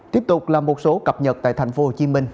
tiếp tục là một số cập nhật tại tp hcm